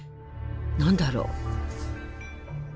何だろう？